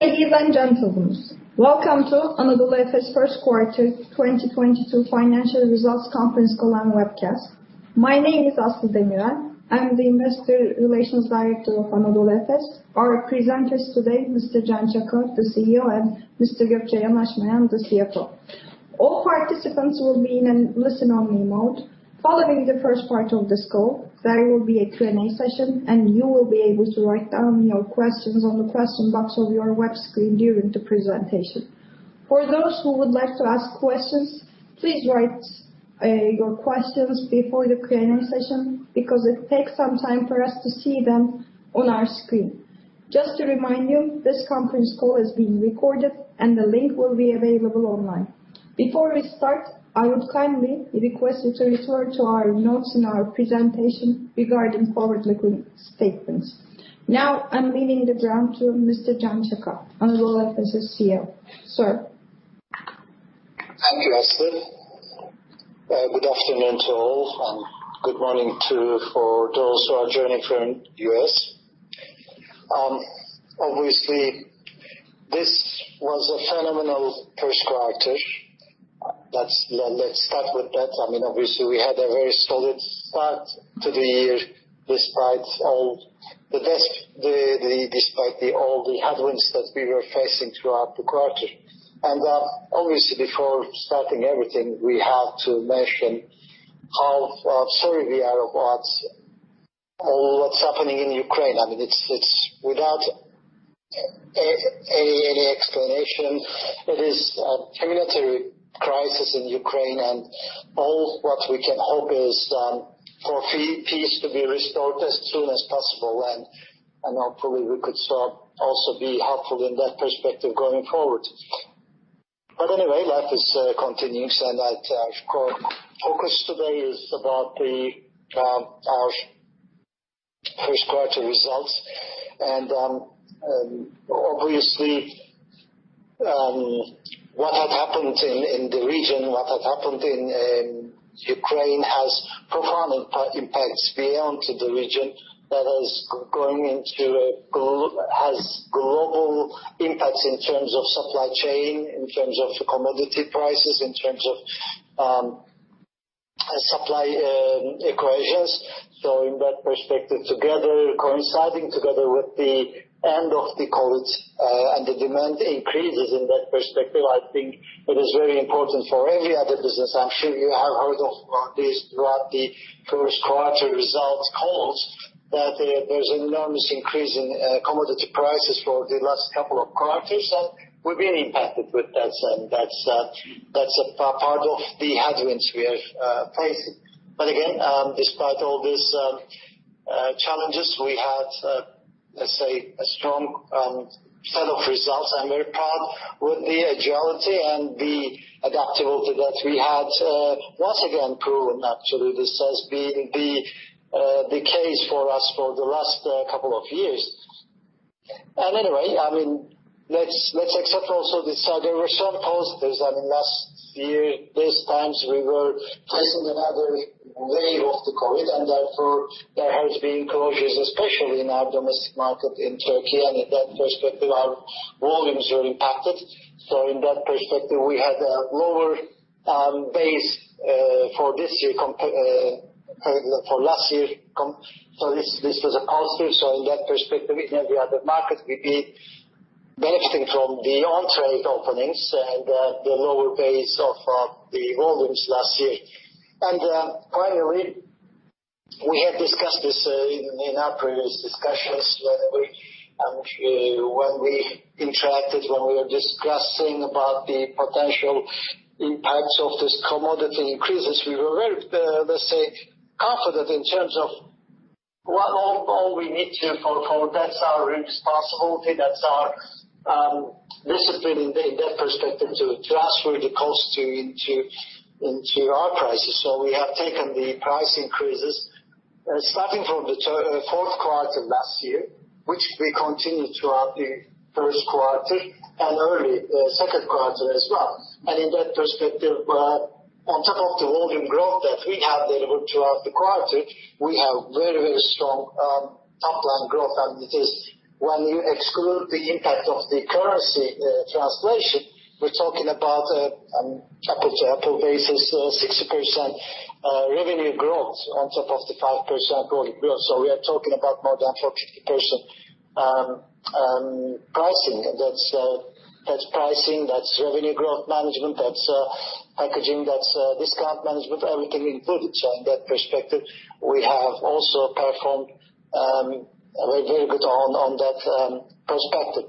Ladies and gentlemen, welcome to Anadolu Efes Q1 2022 financial results conference call and webcast. My name is Aslı Kılıç Demirel. I'm the Investor Relations Director of Anadolu Efes. Our presenters today, Mr. Can Çaka, the CEO, and Mr. Gökçe Yanaşmayan, the CFO. All participants will be in listen-only mode. Following the first part of this call, there will be a Q&A session, and you will be able to write down your questions on the question box of your web screen during the presentation. For those who would like to ask questions, please write your questions before the Q&A session because it takes some time for us to see them on our screen. Just to remind you, this conference call is being recorded and the link will be available online. Before we start, I would kindly request you to refer to our notes in our presentation regarding forward-looking statements. Now, I'm handing the floor to Mr. Can Çaka, Anadolu Efes' CEO. Sir. Thank you, Aslı. Good afternoon to all, and good morning for those who are joining from U.S. Obviously, this was a phenomenal Q1. Let's start with that. I mean, obviously we had a very solid start to the year despite all the despite the all the headwinds that we were facing throughout the quarter. Obviously, before starting everything, we have to mention how sorry we are about all what's happening in Ukraine. I mean, it's without any explanation. It is a humanitarian crisis in Ukraine, and all what we can hope is for peace to be restored as soon as possible. Hopefully we could start also be helpful in that perspective going forward. Anyway, life is continuing, so that of course focus today is about the our Q1 results. Obviously, what had happened in the region, in Ukraine has profound impacts beyond the region that has global impacts in terms of supply chain, in terms of commodity prices, in terms of supply equations. In that perspective, coinciding together with the end of the COVID and the demand increases in that perspective, I think it is very important for every other business. I'm sure you have heard of this throughout the Q1 results calls that there's enormous increase in commodity prices for the last couple of quarters, and we've been impacted with that. That's a part of the headwinds we are facing. Again, despite all these challenges, we had, let's say, a strong set of results. I'm very proud with the agility and the adaptability that we had once again proven. Actually this has been the case for us for the last couple of years. Anyway, I mean, let's accept also these other positive results. I mean, last year at this time, we were facing another wave of COVID, and therefore there has been closures, especially in our domestic market in Turkey. In that perspective, our volumes were impacted. In that perspective, we had a lower base. This was a positive. In that perspective, in every other market, we've been benefiting from the on-trade openings and the lower base of the volumes last year. Finally, we have discussed this in our previous discussions when we interacted, when we were discussing about the potential impacts of these commodity increases. We were very, let's say, confident in terms of what all we need to for that's our responsibility, that's our discipline in that perspective to transfer the cost into our prices. We have taken the price increases starting from the Q4 last year, which we continued throughout the Q1 and early Q2 as well. In that perspective, on top of the volume growth that we have delivered throughout the quarter, we have very strong top-line growth. It is when you exclude the impact of the currency translation, we're talking about apples-to-apples basis, 60% revenue growth on top of the 5% volume growth. We are talking about more than 42% pricing. That's pricing, that's revenue growth management, that's packaging, that's discount management, everything included. In that perspective, we have also performed very, very good on that perspective.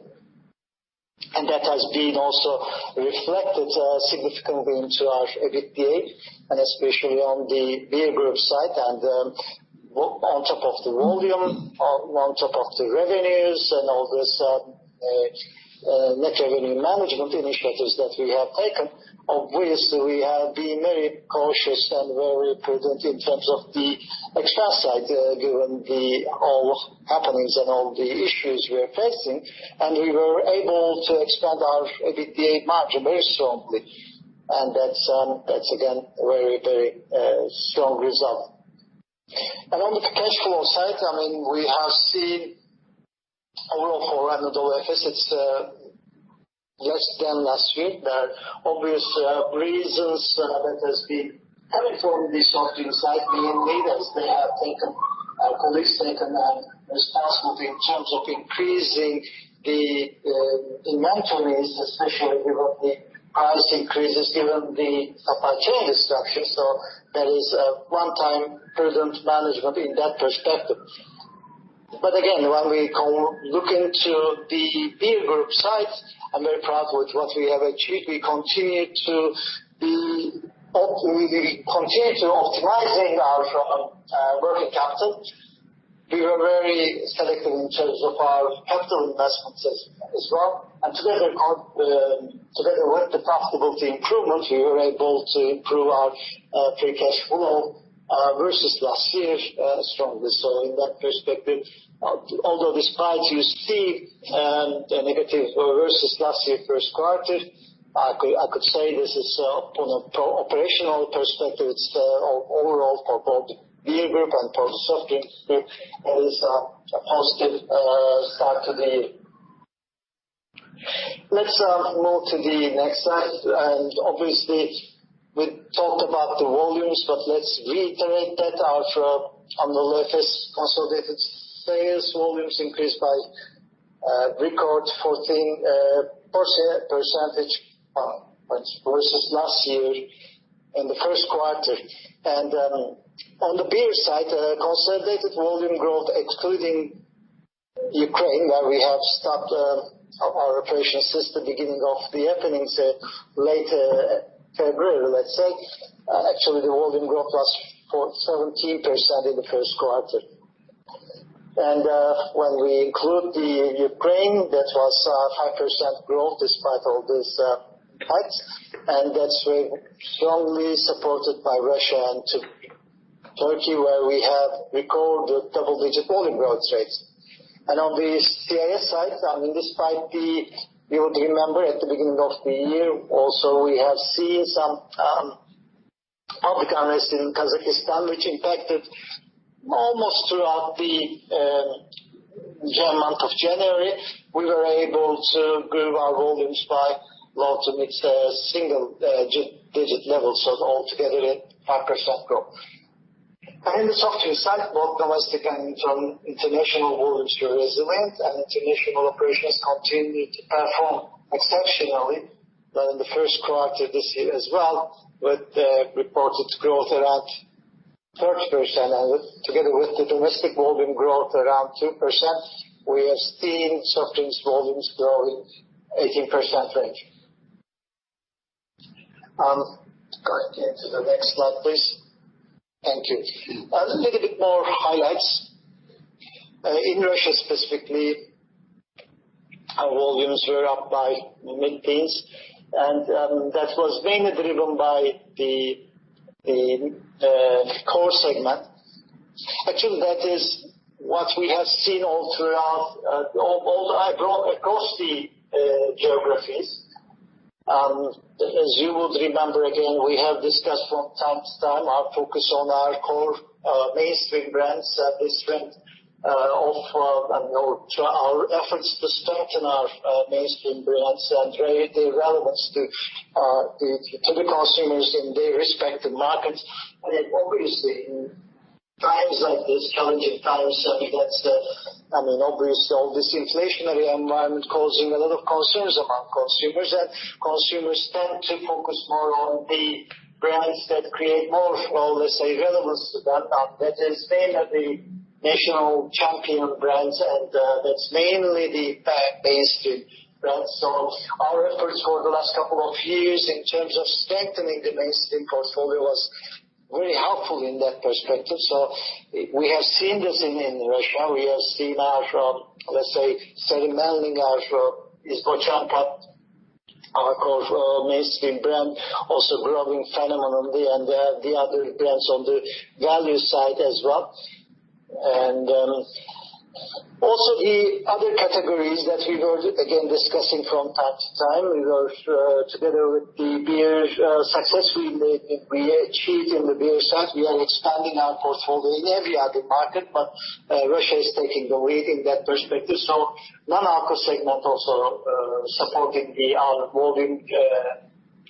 That has been also reflected significantly into our EBITDA, and especially on the Beer Group side. On top of the volume, on top of the revenues and all this, net revenue management initiatives that we have taken, obviously, we have been very cautious and very prudent in terms of the expense side, given all the happenings and all the issues we are facing. We were able to expand our EBITDA margin very strongly. That's again very strong result. On the cash flow side, I mean, we have seen overall for Anadolu Efes, it's less than last year. There are obvious reasons that has been coming from the soft drink side, being leaders. Our colleagues taken responsibility in terms of increasing the inventories, especially with all the price increases given the supply chain disruption. There is a one-time prudent management in that perspective. Again, when we go look into the Beer Group side, I'm very proud with what we have achieved. We continue to optimizing our working capital. We were very selective in terms of our capital investments as well. Together with the profitability improvement, we were able to improve our free cash flow versus last year strongly so in that perspective. Although despite you see a negative versus last year Q1, I could say this is from an operational perspective, it's overall for both Beer Group and for the soft drinks group, that is a positive start to the year. Let's move to the next slide. Obviously we talked about the volumes, but let's reiterate that our AB InBev consolidated sales volumes increased by record 14% versus last year in the Q1. On the beer side, consolidated volume growth, excluding Ukraine, where we have stopped our operations since the beginning of the happenings late February, let's say. Actually the volume growth was 17% in the Q1. When we include Ukraine, that was 5% growth despite all this fight. That's been strongly supported by Russia and Turkey, where we have recorded double-digit volume growth rates. On the CIS side, despite you would remember at the beginning of the year also, we have seen some public unrest in Kazakhstan, which impacted almost throughout the month of January. We were able to grow our volumes by low- to mid-single-digit levels. Altogether a 5% growth. In the soft drink side, both domestic and international volumes were resilient, and international operations continued to perform exceptionally in the Q1 this year as well, with reported growth around 30%. Together with the domestic volume growth around 2%, we have seen soft drinks volumes growing 18% range. Can I get to the next slide, please? Thank you. A little bit more highlights. In Russia specifically, our volumes were up by mid-teens%, and that was mainly driven by the core segment. Actually, that is what we have seen all throughout all across the geographies. As you would remember, again, we have discussed from time to time our focus on our core, mainstream brands, the strength of our efforts to strengthen our mainstream brands and their relevance to the consumers in their respective markets. Obviously in times like this, challenging times, I mean, that's, I mean, obviously all this inflationary environment causing a lot of concerns among consumers, and consumers tend to focus more on the brands that create more, well, let's say relevance to them. That is mainly the national champion brands, and that's mainly the pack mainstream brands. Our efforts for the last couple of years in terms of strengthening the mainstream portfolio was very helpful in that perspective. We have seen this in Russia. We have seen our, let's say, Stary Melnik iz Bochonka, our core mainstream brand, also growing phenomenally and the other brands on the value side as well. Also the other categories that we were again discussing from time to time. Together with the beer success we achieved in the beer side, we are expanding our portfolio in every other market, but Russia is taking the lead in that perspective. Non-alcoholic segment also supporting our volume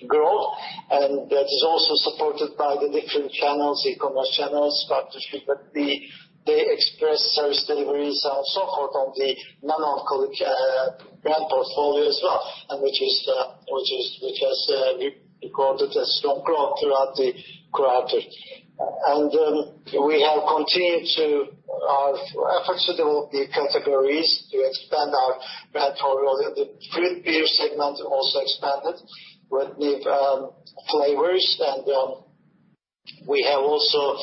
growth. That is also supported by the different channels, e-commerce channels, partnership with the express service deliveries and so forth on the non-alcoholic brand portfolio as well, which has recorded a strong growth throughout the quarter. We have continued to. Our efforts to develop the categories, to expand our brand portfolio. The fruit beer segment also expanded with new flavors. We have also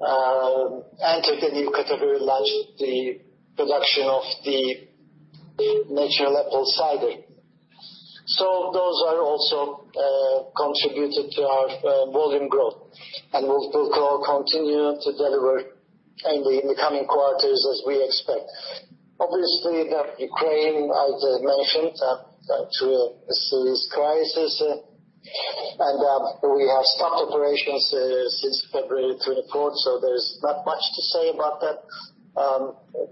entered a new category, launched the production of the natural apple cider. Those are also contributed to our volume growth. We'll still go continue to deliver in the coming quarters as we expect. Obviously, the Ukraine crisis, as I mentioned. We have stopped operations since February 24, so there's not much to say about that. The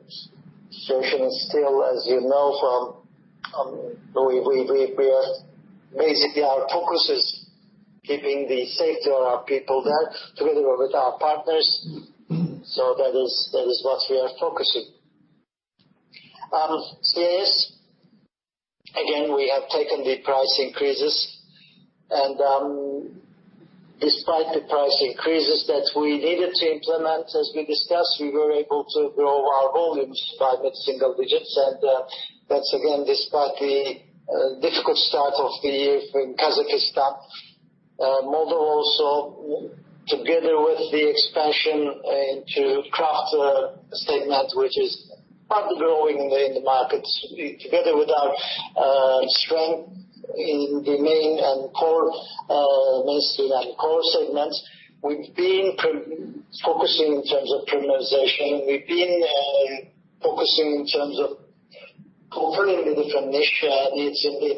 situation is still, as you know, from, basically our focus is keeping the safety of our people there together with our partners. That is what we are focusing. CIS, again, we have taken the price increases, and despite the price increases that we needed to implement, as we discussed, we were able to grow our volumes by mid-single digits. That's again, despite the difficult start of the year from Kazakhstan. Moldova also together with the expansion into craft segment, which is fast growing in the markets together with our strength in the mainstream and core segments. We've been focusing in terms of premiumization. We've been focusing in terms of covering the different niche needs in the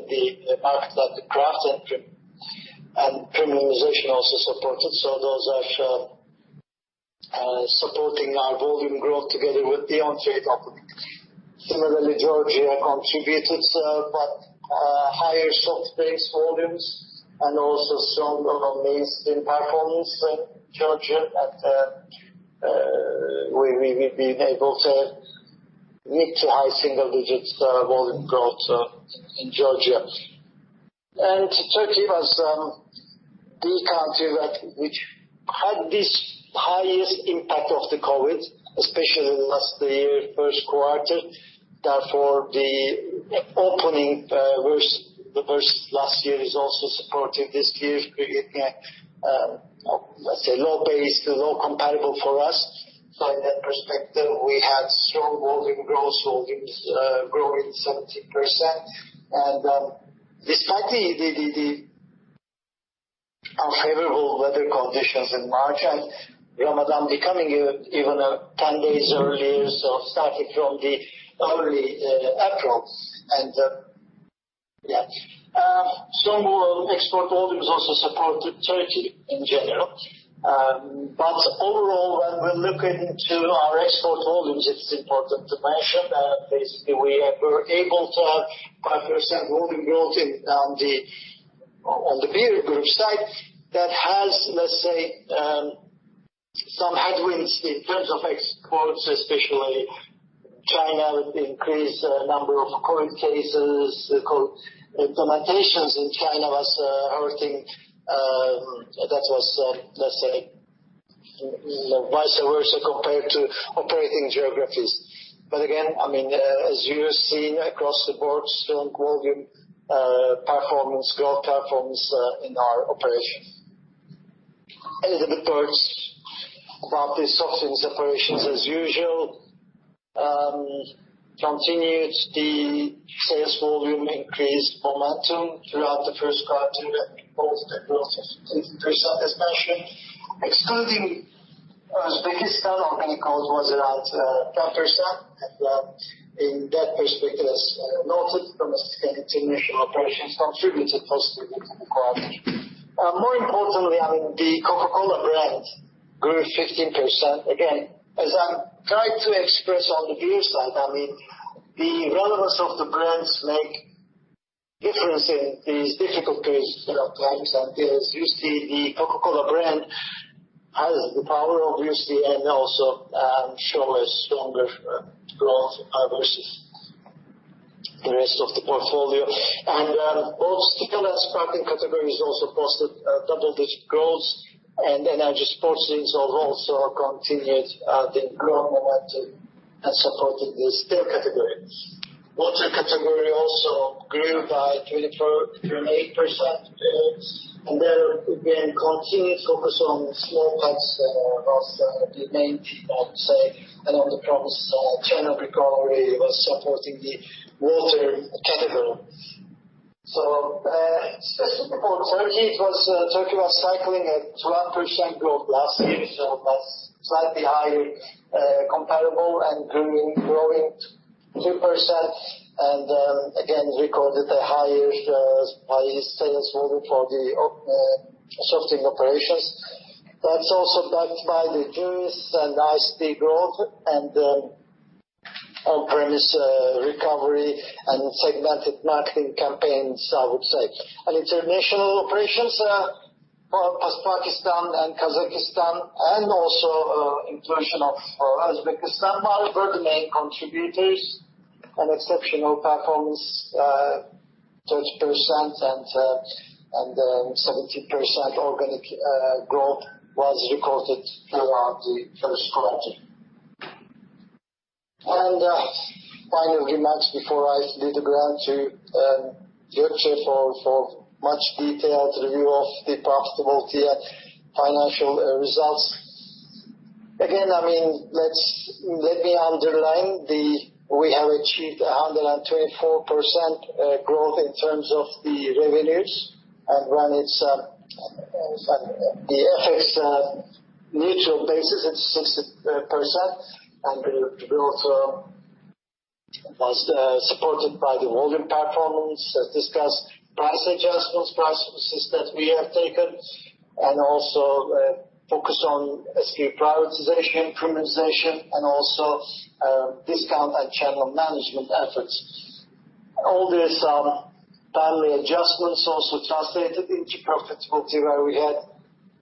market that the craft and premiumization also supported. Those are supporting our volume growth together with the on-trade. Similarly, Georgia contributed, but higher soft base volumes and also strong mainstream performance in Georgia that we've been able to reach high single digits volume growth in Georgia. Turkey was the country which had this highest impact of COVID, especially last year, Q1. Therefore, the opening was the worst last year, is also supportive this year, creating a low base, low comparable for us. In that perspective, we had strong volume growth, volumes growing 17%. Despite the unfavorable weather conditions in March and Ramadan becoming even ten days earlier, so starting from early April. Strong world export volumes also supported Turkey in general. Overall, when we're looking to our export volumes, it's important to mention that basically, we're able to have 5% volume growth in on the Beer Group side that has, let's say, some headwinds in terms of exports, especially China with increased number of COVID cases. The COVID implementations in China was hurting, that was, let's say, you know, vice versa compared to operating geographies. I mean, as you have seen across the board, strong volume performance, growth performance in our operations. A few words about the soft drinks operations as usual. Continued the sales volume increased momentum throughout the Q1, both domestic especially. Excluding Uzbekistan, organic growth was around 10%. In that perspective, as noted, domestic and international operations contributed positively to the quarter. More importantly, I mean, the Coca-Cola brand grew 15%. Again, as I'm trying to express on the beer side, I mean, the relevance of the brands make difference in these difficult days and times. As you see, the Coca-Cola brand has the power, obviously, and also show a stronger growth versus the rest of the portfolio. Both tea and sparkling categories also posted double-digit growth. Energy sports drinks have also continued their growth momentum and supporting the still category. Water category also grew by 24.8%. There again, continued focus on small packs was the main theme, I would say. On the promise of channel recovery was supporting the water category. Specifically for Turkey, it was Turkey was coming off 12% growth last year, so that's slightly higher comparable and growing 2%. Again, recorded the highest volume sales volume for the soft drink operations. That's also backed by the juice and iced tea growth and on-premise recovery and segmented marketing campaigns, I would say. International operations for Pakistan and Kazakhstan and also inclusion of Uzbekistan were the main contributors. An exceptional performance, 30% and 17% organic growth was recorded throughout the Q1. Final remarks before I hand the floor to Gökçe Yanaşmayan for a much more detailed review of the post-Q1 financial results. I mean, let me underline we have achieved a 124% growth in terms of the revenues. When it's the FX neutral basis is 60%, and the growth was supported by the volume performance, as discussed, price adjustments, price increases that we have taken, and also focus on SKU prioritization, implementation, and also discount and channel management efforts. All these timely adjustments also translated into profitability where we had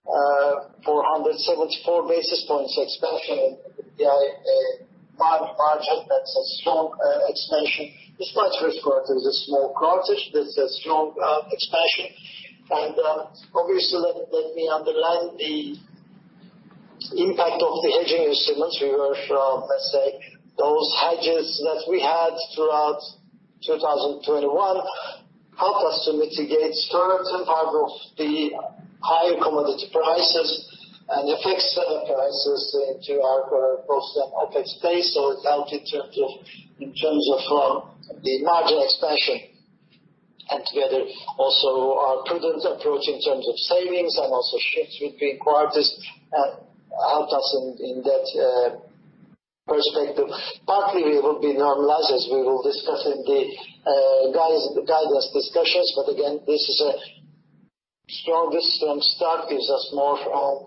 474 basis points expansion in EBITDA margin. That's a strong expansion, despite Q1 is a small quarter. This is a strong expansion. Obviously, let me underline the impact of the hedging instruments, let's say, those hedges that we had throughout 2021 helped us to mitigate certain part of the high commodity prices and FX prices into our COGS post FX base. It helped in terms of the margin expansion. Together also our prudent approach in terms of savings and also shifts between quarters helped us in that perspective. Partly it will be normalized as we will discuss in the guidance discussions. Again, this is a strong start, gives us more,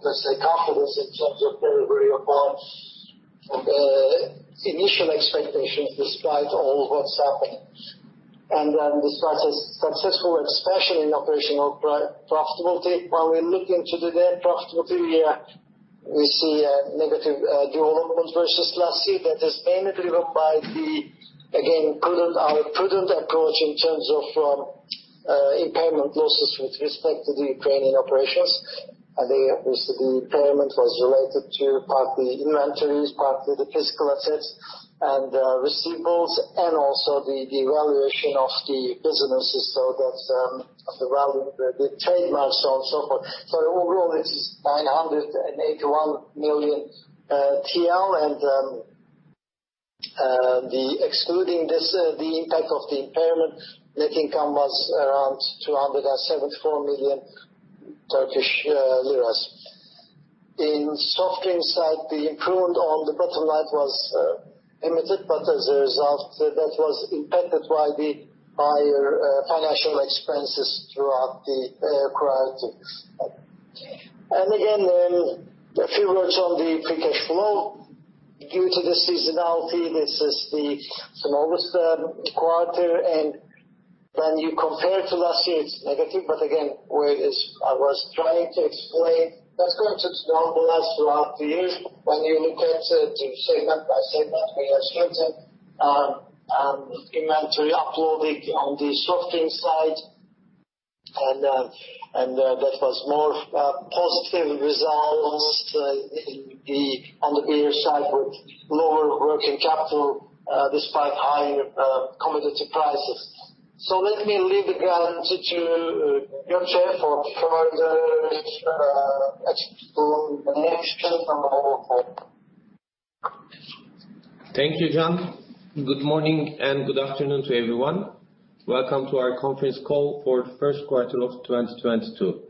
let's say, confidence in terms of delivery of our initial expectations despite all what's happened. Despite successful expansion in operational profitability, when we look into the net profitability, we see a negative development versus last year. That is mainly driven by, again, our prudent approach in terms of impairment losses with respect to the Ukrainian operations. Obviously the impairment was related to partly inventories, partly the physical assets and receivables, and also the valuation of the businesses. That's the value of the trademarks and so on and so forth. Overall it's TRY 981 million. Excluding the impact of the impairment, net income was around 274 million Turkish lira. On the soft drinks side the improvement on the bottom line was limited, but as a result that was impacted by the higher financial expenses throughout the prior two years. Again, a few words on the free cash flow. Due to the seasonality, this is the smallest quarter. When you compare to last year, it's negative. Again, where it is, I was trying to explain that's going to normalize throughout the year. When you look into the segment by segment, we have stronger inventory uploading on the soft drink side. And that was more positive results on the beer side with lower working capital despite higher commodity prices. Let me leave the floor to Gökçe for further explanation. Thank you, Can. Good morning and good afternoon to everyone. Welcome to our conference call for Q1 of 2022.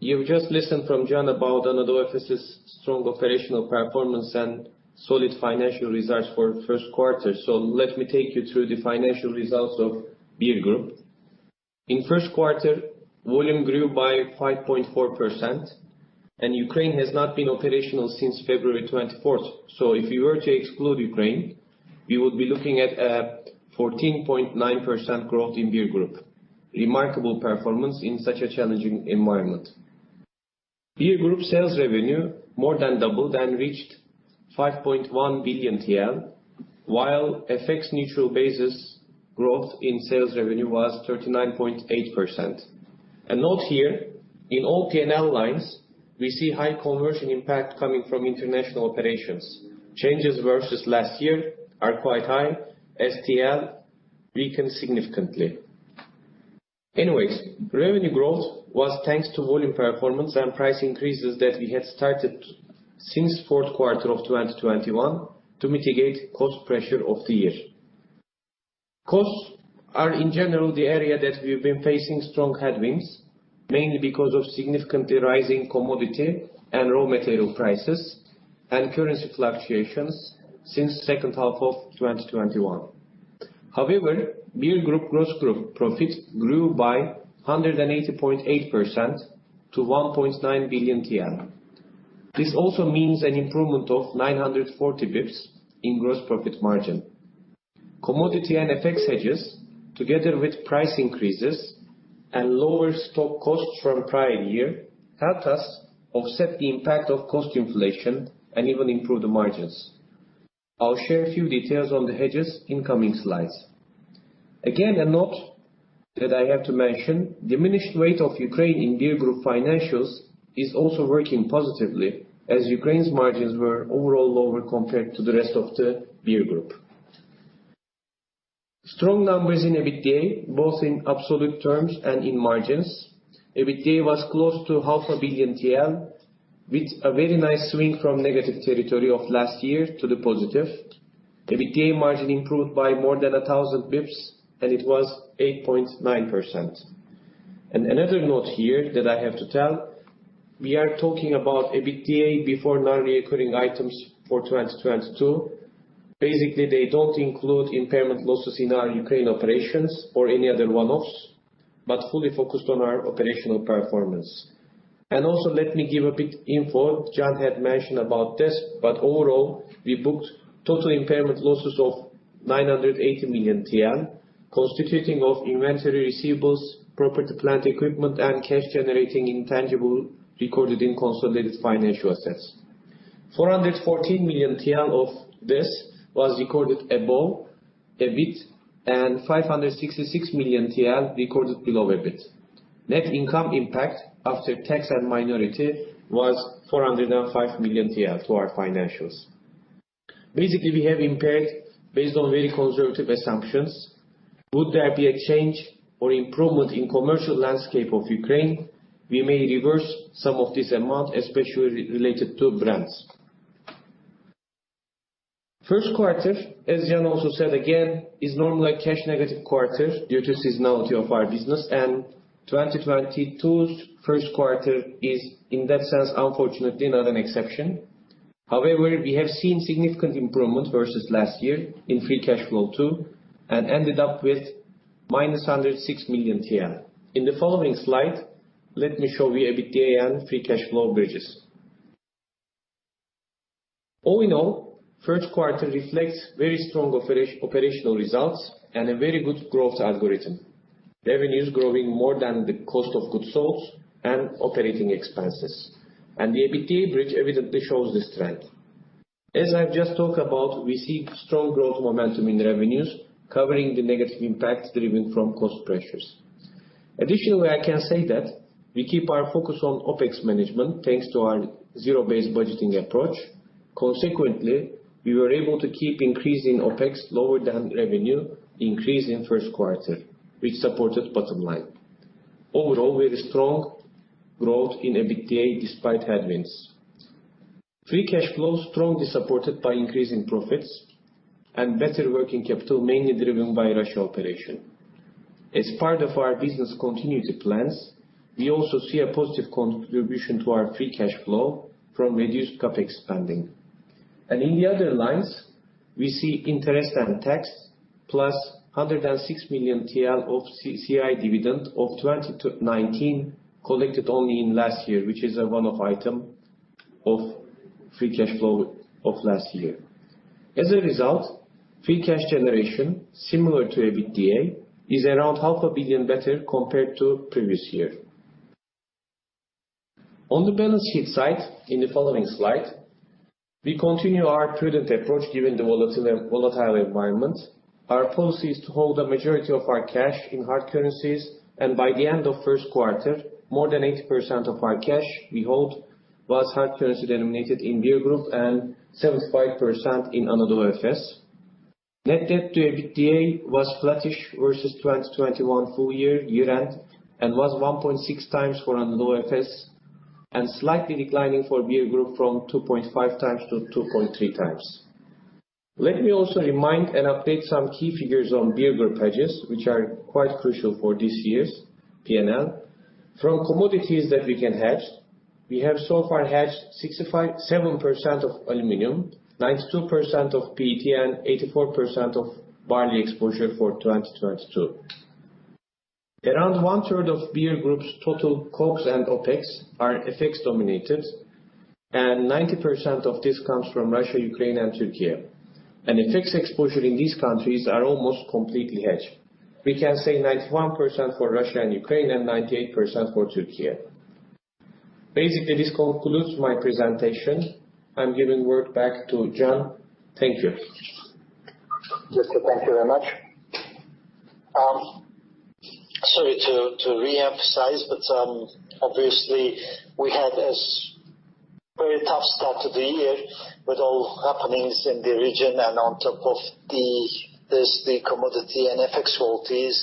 You've just listened to Can about Anadolu Efes' strong operational performance and solid financial results for Q1. Let me take you through the financial results of Beer Group. In Q1, volume grew by 5.4%, and Ukraine has not been operational since February 24. If you were to exclude Ukraine, we would be looking at a 14.9% growth in Beer Group. Remarkable performance in such a challenging environment. Beer Group sales revenue more than doubled and reached 5.1 billion TL, while FX neutral basis growth in sales revenue was 39.8%. A note here, in all P&L lines, we see high conversion impact coming from international operations. Changes versus last year are quite high. TL weakened significantly. Anyways, revenue growth was thanks to volume performance and price increases that we had started since Q4 of 2021 to mitigate cost pressure of the year. Costs are in general the area that we've been facing strong headwinds, mainly because of significantly rising commodity and raw material prices and currency fluctuations since second half of 2021. However, Beer Group gross profit grew by 180.8% to 1.9 billion TL. This also means an improvement of 940 BPS in gross profit margin. Commodity and FX hedges, together with price increases and lower stock costs from prior year, helped us offset the impact of cost inflation and even improve the margins. I'll share a few details on the hedges in coming slides. Again, a note that I have to mention, diminished weight of Ukraine in Beer Group financials is also working positively as Ukraine's margins were overall lower compared to the rest of the Beer Group. Strong numbers in EBITDA, both in absolute terms and in margins. EBITDA was close to half a billion TL, with a very nice swing from negative territory of last year to the positive. The EBITDA margin improved by more than a thousand basis points, and it was 8.9%. Another note here that I have to tell, we are talking about EBITDA before non-recurring items for 2022. Basically, they don't include impairment losses in our Ukraine operations or any other one-offs, but fully focused on our operational performance. Also let me give a bit info. Can had mentioned about this, but overall, we booked total impairment losses of 980 million, constituting of inventory receivables, property, plant, equipment, and cash generating intangible recorded in consolidated financial assets. 414 million TL of this was recorded above EBIT and 566 million TL recorded below EBIT. Net income impact after tax and minority was 405 million TL to our financials. Basically, we have impaired based on very conservative assumptions. Would there be a change or improvement in commercial landscape of Ukraine, we may reverse some of this amount, especially related to brands. Q1, as Can also said again, is normally a cash negative quarter due to seasonality of our business, and 2022's Q1 is, in that sense, unfortunately not an exception. However, we have seen significant improvement versus last year in free cash flow too, and ended up with minus 106 million TL. In the following slide, let me show you EBITDA and free cash flow bridges. All in all, Q1 reflects very strong operational results and a very good growth algorithm. Revenues growing more than the cost of goods sold and operating expenses. The EBITDA bridge evidently shows this trend. As I've just talked about, we see strong growth momentum in revenues covering the negative impacts driven from cost pressures. Additionally, I can say that we keep our focus on OpEx management, thanks to our zero-based budgeting approach. Consequently, we were able to keep increasing OpEx lower than revenue increase in Q1, which supported bottom line. Overall, very strong growth in EBITDA despite headwinds. Free cash flow strongly supported by increasing profits and better working capital, mainly driven by Russia operation. As part of our business continuity plans, we also see a positive contribution to our free cash flow from reduced CapEx spending. In the other lines, we see interest and tax + 106 million TL of CCI dividend of 2019 collected only in last year, which is a one-off item of free cash flow of last year. As a result, free cash generation, similar to EBITDA, is around TRY half a billion better compared to previous year. On the balance sheet side, in the following slide, we continue our prudent approach given the volatile environment. Our policy is to hold the majority of our cash in hard currencies, and by the end of Q1, more than 80% of our cash we hold was hard currency denominated in Beer Group and 75% in Anadolu Efes. Net debt to EBITDA was flattish versus 2021 full year year-end and was 1.6 times for Anadolu Efes and slightly declining for Beer Group from 2.5 times to 2.3 times. Let me also remind and update some key figures on Beer Group hedges, which are quite crucial for this year's P&L. From commodities that we can hedge, we have so far hedged 67% of aluminum, 92% of PET, and 84% of barley exposure for 2022. Around one-third of Beer Group's total COGS and OpEx are FX dominated, and 90% of this comes from Russia, Ukraine, and Turkey. FX exposure in these countries are almost completely hedged. We can say 91% for Russia and Ukraine and 98% for Turkey. Basically, this concludes my presentation. I'm giving word back to Can. Thank you. Gökçe, thank you very much. Sorry to reemphasize, but obviously we had a very tough start to the year with all happenings in the region and on top of this, the commodity and FX volatility,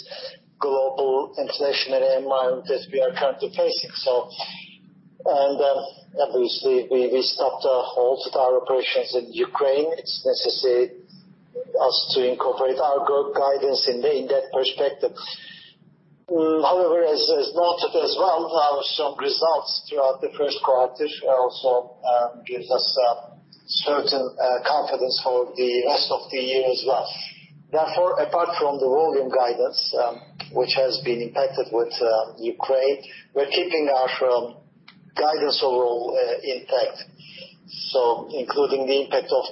global inflationary environment that we are currently facing. Obviously we halted our operations in Ukraine. It's necessary for us to incorporate our group guidance in that perspective. However, as noted as well, our strong results throughout the Q1 also gives us certain confidence for the rest of the year as well. Therefore, apart from the volume guidance, which has been impacted with Ukraine, we're keeping our guidance overall intact. Including the impact of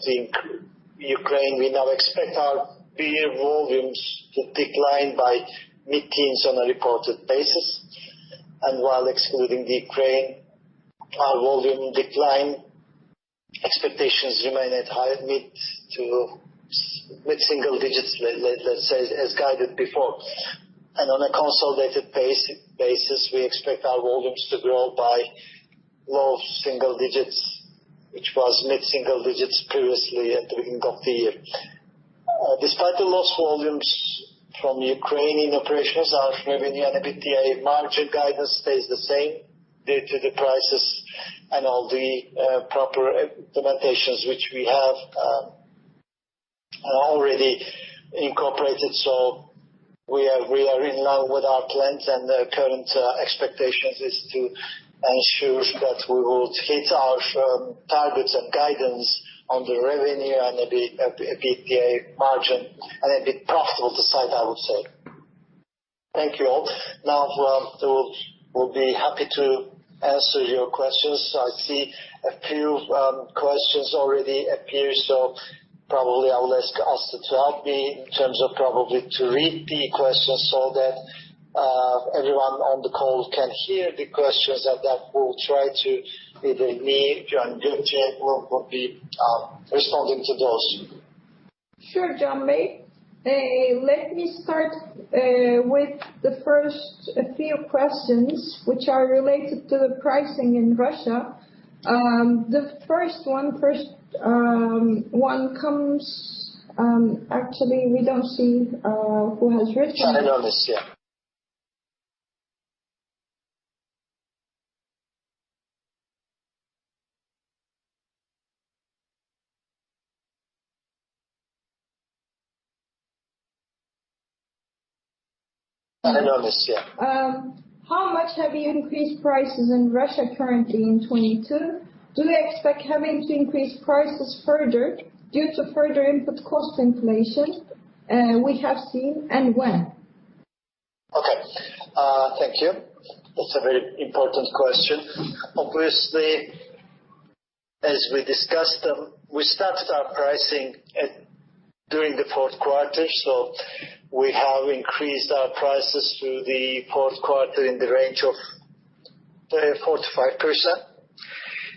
Ukraine, we now expect our beer volumes to decline by mid-teens% on a reported basis. While excluding the Ukraine, our volume decline expectations remain at high- to mid-single digits%, let's say as guided before. On a consolidated basis, we expect our volumes to grow by low-single digits%, which was mid-single digits% previously at the beginning of the year. Despite the lost volumes from Ukrainian operations, our revenue and EBITDA margin guidance stays the same due to the prices and all the proper implementations which we have already incorporated. We are in line with our plans, and the current expectations is to ensure that we will hit our targets and guidance on the revenue and EBITDA margin and be profitable this year, I would say. Thank you all. Now we'll be happy to answer your questions. I see a few questions already appear, so probably I will ask Aslı to help me in terms of probably to read the questions so that everyone on the call can hear the questions and then we'll try to, either me, Can Çaka, we'll be responding to those. Sure, Can Bey. Let me start with the first few questions which are related to the pricing in Russia. The first one comes. Actually, we don't see who has written this. I don't know this yet. How much have you increased prices in Russia currently in 2022? Do you expect having to increase prices further due to further input cost inflation we have seen, and when? Okay. Thank you. That's a very important question. Obviously, as we discussed, we started our pricing during the Q4. We have increased our prices through the Q4 in the range of 4%-5%.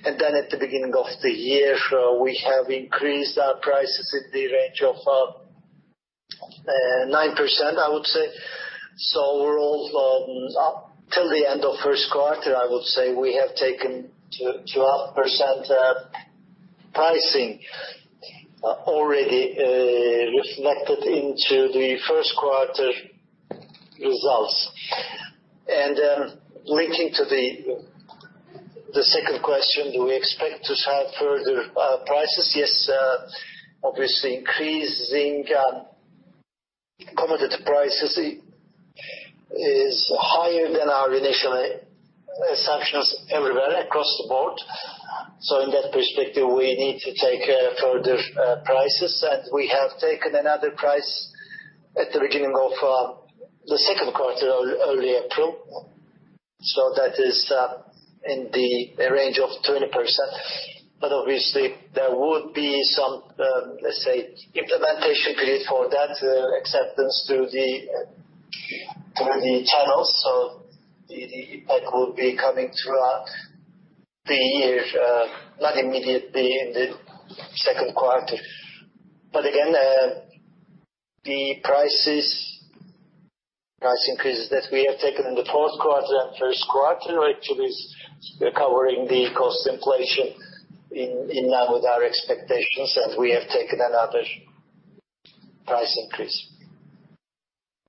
Then at the beginning of the year, we have increased our prices in the range of 9%, I would say. Overall, up till the end of Q1, I would say we have taken 12% pricing already, reflected into the Q1 results. Linking to the second question, do we expect to have further prices? Yes, obviously increasing commodity prices is higher than our initial assumptions everywhere across the board. In that perspective, we need to take further prices. We have taken another price at the beginning of the Q2 early April. That is in the range of 20%. But obviously there would be some, let's say, implementation period for that, acceptance through the channels. The impact would be coming throughout the year, not immediately in the Q2. But again, the prices, price increases that we have taken in the Q4 and Q1 actually is covering the cost inflation in line with our expectations, and we have taken another price increase.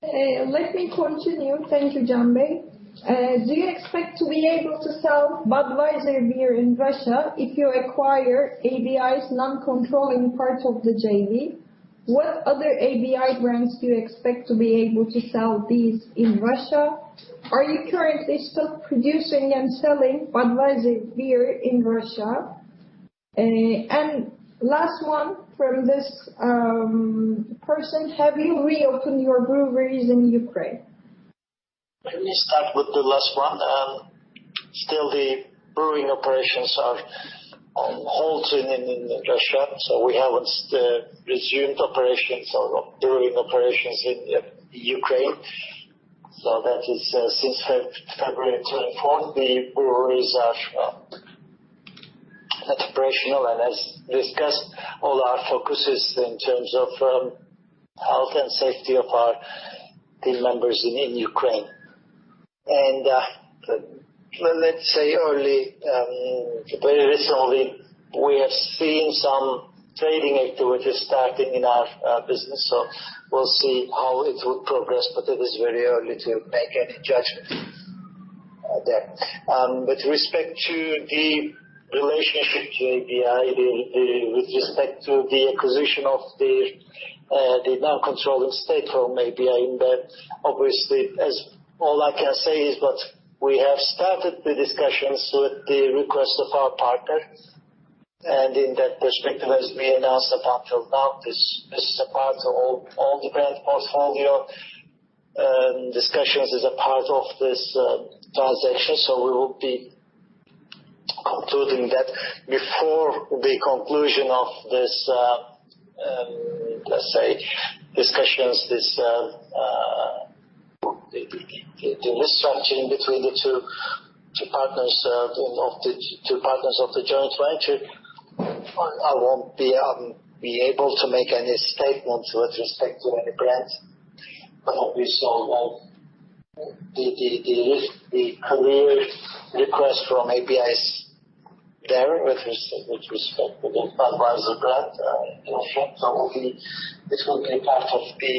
Let me continue. Thank you, Can Bey. Do you expect to be able to sell Budweiser beer in Russia if you acquire ABI's non-controlling part of the JV? What other ABI brands do you expect to be able to sell these in Russia? Are you currently still producing and selling Budweiser beer in Russia? Last one from this person. Have you reopened your breweries in Ukraine? Let me start with the last one. Still the brewing operations are on hold in Russia, so we haven't resumed operations or brewing operations in Ukraine. That is since February 24th, the breweries are not operational. As discussed, all our focus is in terms of health and safety of our team members in Ukraine. Very recently, we have seen some trading activities starting in our business. We'll see how it will progress, but it is very early to make any judgments there. With respect to the relationship to ABI, with respect to the acquisition of the non-controlling stake from ABI in that, obviously, as all I can say is that we have started the discussions with the request of our partner. In that perspective, as we announced up until now, this is a part of all the brand portfolio discussions, is a part of this transaction. We will be concluding that before the conclusion of this, let's say, discussions, the restructuring between the two partners of the joint venture. I won't be able to make any statement with respect to any brand. But obviously, the request from AB InBev there with respect to the Budweiser brand, you know, that will be part of the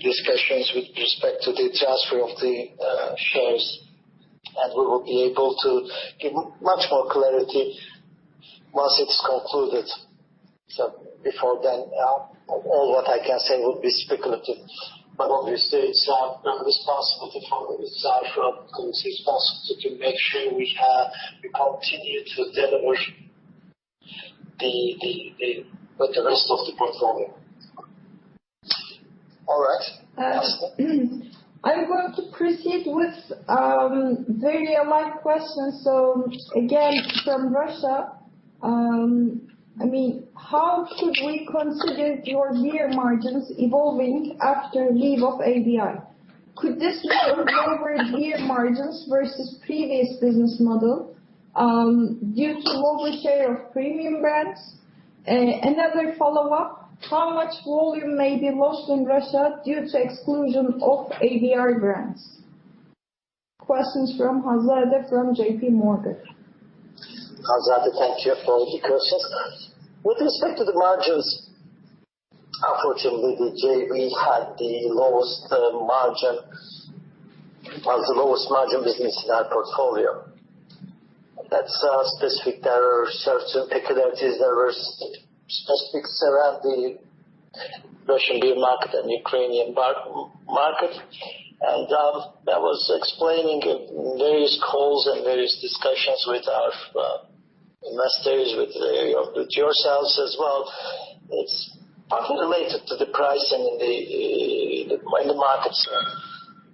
discussions with respect to the transfer of the shares, and we will be able to give much more clarity once it's concluded. Before then, all what I can say will be speculative. Obviously it's our purpose, possibility for ourselves from a responsibility to make sure we continue to deliver the rest of the portfolio. All right. I'm going to proceed with very alike questions. Again, from Russia, I mean, how should we consider your beer margins evolving after leave of ABI? Could this lower beer margins versus previous business model, due to lower share of premium brands? Another follow-up, how much volume may be lost in Russia due to exclusion of ABI brands? Questions from Hanzade from JP Morgan. Hanzade, thank you for the questions. With respect to the margins, unfortunately, the JV had the lowest margin, was the lowest margin business in our portfolio. That's specific. There are certain peculiarities that were specific around the Russian beer market and Ukrainian beer market. That was explained in various calls and various discussions with our investors, with yourselves as well. It's partly related to the pricing in the markets.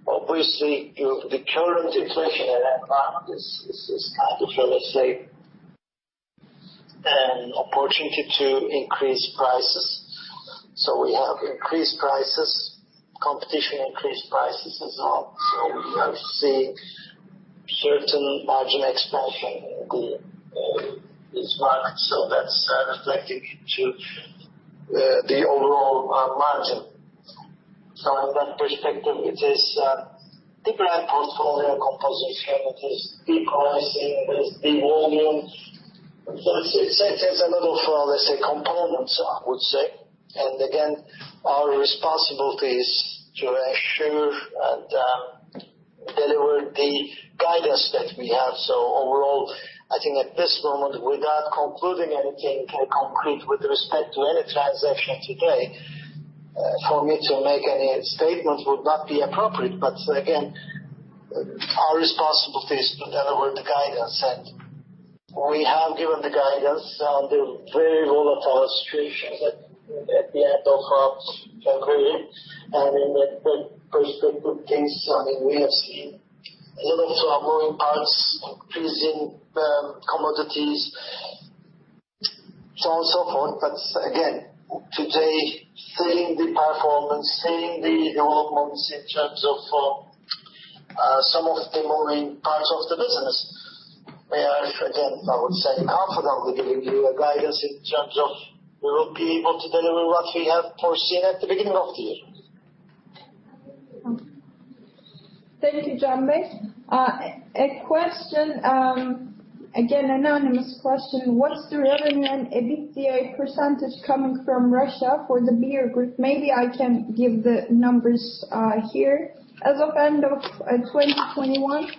Obviously, you know, the current inflation in that market is kind of, let's say, an opportunity to increase prices. We have increased prices, competition increased prices as well. We are seeing certain margin expansion in these markets. That's reflecting into the overall margin. In that perspective, it is different portfolio composition. It is deep pricing. It is deep volume. It has a level of, let's say, components, I would say. Our responsibility is to ensure and deliver the guidance that we have. Overall, I think at this moment, without concluding anything concrete with respect to any transaction today, for me to make any statements would not be appropriate. Again, our responsibility is to deliver the guidance. We have given the guidance on the very volatile situation at the end of quarter. In that perspective case, I mean, we have seen a lot of moving parts increase in commodities, so on and so forth. Again, today, seeing the performance, seeing the developments in terms of some of the moving parts of the business, we are again, I would say, confidently giving you a guidance in terms of we will be able to deliver what we have foreseen at the beginning of the year. Thank you, Can Bey. A question, again, anonymous question. What's the revenue and EBITDA percentage coming from Russia for the Beer Group? Maybe I can give the numbers here. As of end of 2021,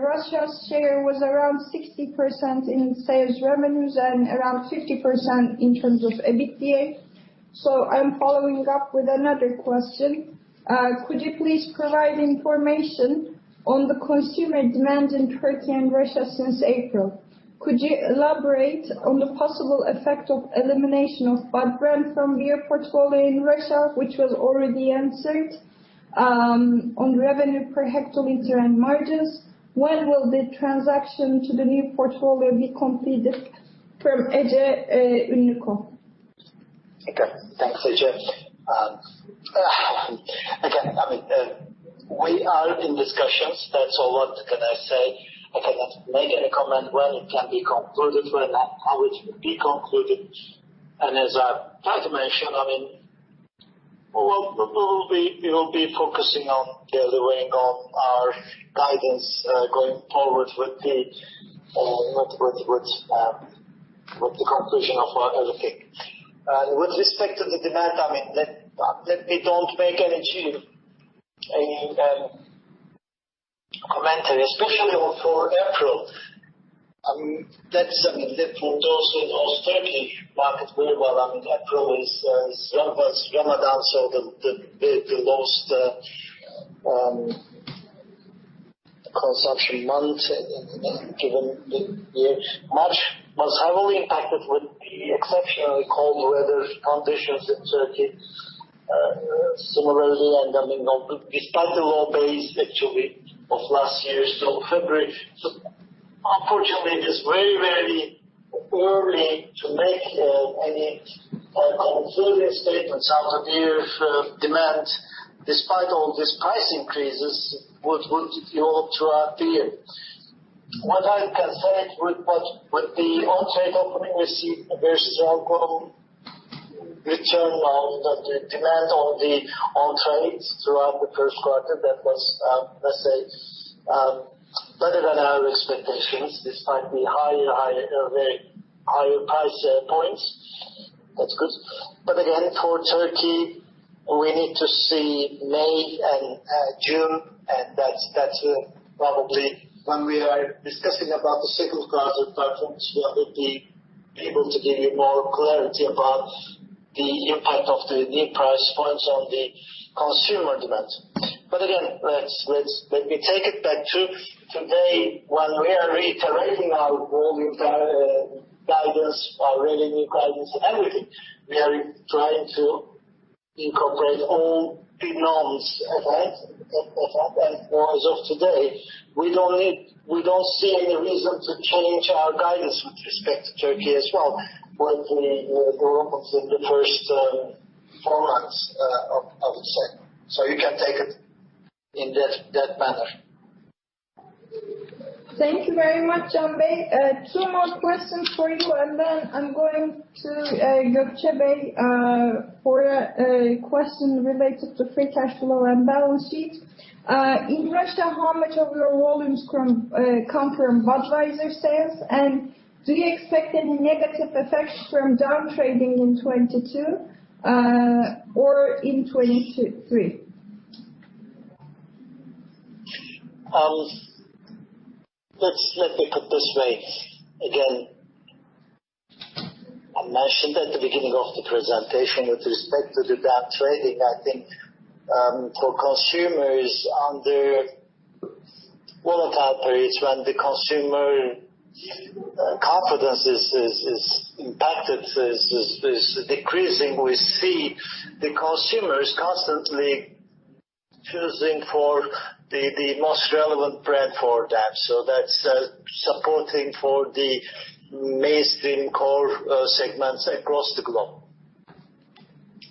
Russia's share was around 60% in sales revenues and around 50% in terms of EBITDA. I'm following up with another question. Could you please provide information on the consumer demand in Turkey and Russia since April? Could you elaborate on the possible effect of elimination of Bud brand from beer portfolio in Russia, which was already answered, on revenue per hectoliter and margins? When will the transaction to the new portfolio be completed from Ece Mandıracıoğlu. Okay. Thanks, Ece. Again, I mean, we are in discussions. That's all what can I say. I cannot make any comment when it can be concluded, when and how it will be concluded. As I tried to mention, I mean, we will be focusing on delivering on our guidance, going forward with the conclusion of our LFP. With respect to the demand, I mean, let me don't make any commentary, especially for April. That is, I mean, that would also in all Turkey market very well. I mean, April is Ramadan, so the lowest consumption month in given the year. March was heavily impacted with the exceptionally cold weather conditions in Turkey. Similarly, I mean, you know, despite the low base actually of last year, so February. Unfortunately it is very early to make any conclusive statements about the year's demand, despite all these price increases would be all throughout the year. What I can say with the on-trade opening, we see a very strong return of the demand in the on-trades throughout the Q1. That was, let's say, better than our expectations, despite the very high price points. That's good. Again, for Turkey, we need to see May and June, and that's probably when we are discussing about the Q2 performance, we will be able to give you more clarity about the impact of the new price points on the consumer demand. Again, let me take it back to today, when we are reiterating our volume guidance, our revenue guidance, everything, we are trying to incorporate all the norms, okay? As of today, we don't see any reason to change our guidance with respect to Turkey as well, when we go up into the first four months of the year. You can take it in that manner. Thank you very much, Can Bey. Two more questions for you, and then I'm going to Gökçe Bey for a question related to free cash flow and balance sheet. In Russia, how much of your volumes come from Budweiser sales? Do you expect any negative effects from down trading in 2022 or in 2023? Let me put this way. Again, I mentioned at the beginning of the presentation with respect to the down trading. I think, for consumers on the volatile periods when the consumer confidence is impacted, is decreasing, we see the consumers constantly choosing for the most relevant brand for that. So that's supporting for the mainstream core segments across the globe.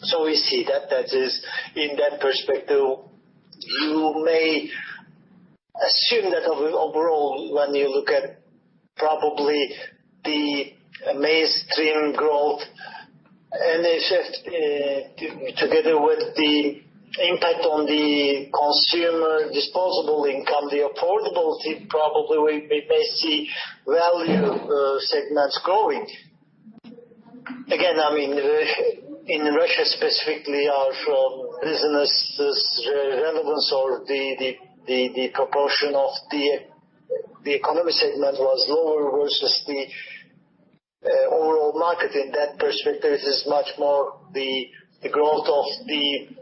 So we see that. That is in that perspective, you may assume that overall, when you look at probably the mainstream growth, and it's just together with the impact on the consumer disposable income, the affordability probably we may see value segments growing. Again, I mean, in Russia specifically our strong business is relevance or the proportion of the economy segment was lower versus the overall market. In that perspective, it is much more the growth of the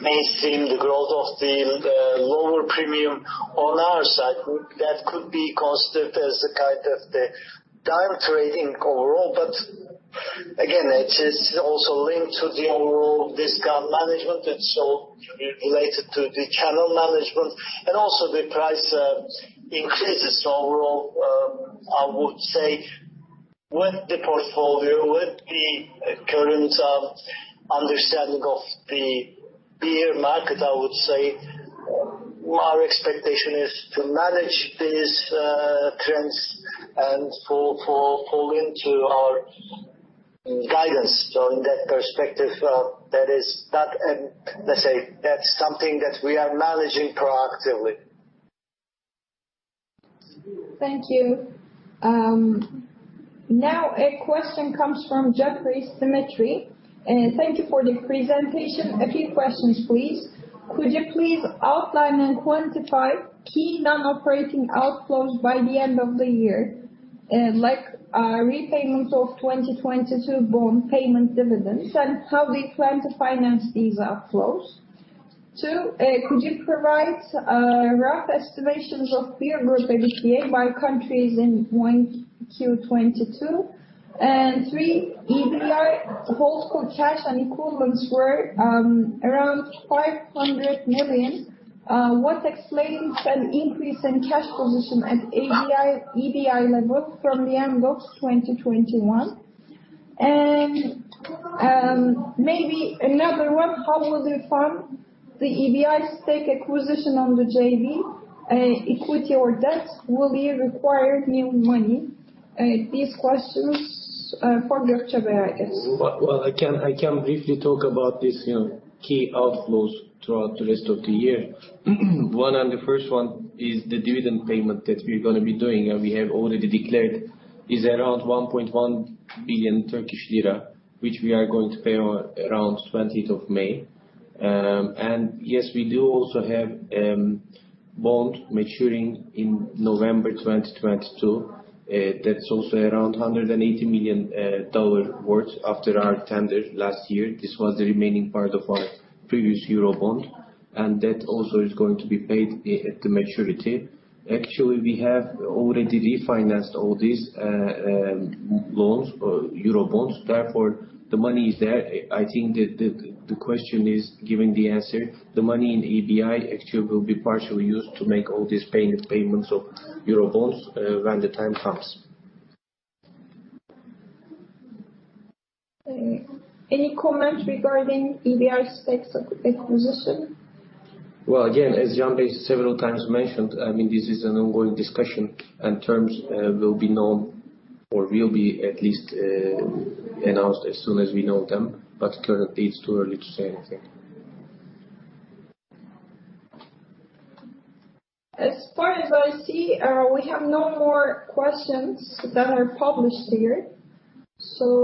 mainstream, the growth of the lower premium. On our side, that could be considered as a kind of down trading overall. It is also linked to the overall discount management, and so related to the channel management. Also the price increases overall. I would say with the portfolio, with the current understanding of the beer market, I would say, our expectation is to manage these trends and fit into our guidance on that perspective. That is not, let's say, that's something that we are managing proactively. Thank you. Now a question comes from Jeffrey Symmetry. Thank you for the presentation. A few questions, please. Could you please outline and quantify key non-operating outflows by the end of the year, like, repayment of 2022 bond payment dividends, and how we plan to finance these outflows? Two, could you provide rough estimations of Beer Group EBITDA by countries in 1Q 2022? Three, EBITDA, holdco cash and equivalents were around 500 million. What explains an increase in cash position at AB InBev level from the end of 2021? Maybe another one, how will you fund the AB InBev stake acquisition on the JV, equity or debt? Will you require new money? These questions for Gökçe Bey, I guess. Well, I can briefly talk about this, you know, key outflows throughout the rest of the year. The first one is the dividend payment that we're gonna be doing, and we have already declared, is around 1.1 billion Turkish lira, which we are going to pay on around 20th of May. Yes, we do also have bond maturing in November 2022. That's also around $180 million worth after our tender last year. This was the remaining part of our previous Eurobond. That also is going to be paid at the maturity. Actually, we have already refinanced all these loans or Eurobonds. Therefore, the money is there. I think the question is giving the answer. The money in AB InBev actually will be partially used to make all these payments of Eurobonds when the time comes. Any comment regarding ABI stake acquisition? Well, again, as Can Bey several times mentioned, I mean, this is an ongoing discussion and terms will be known or will be at least announced as soon as we know them, but currently it's too early to say anything. As far as I see, we have no more questions that are published here.